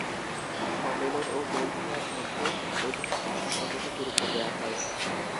সম্মেলন ও বোল খেলার মধ্যে ঐতিহাসিক সম্পর্ককে গুরুত্ব দেয়া হয়।